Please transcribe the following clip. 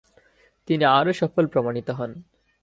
তিনি আরও সফল প্রমাণিত হন।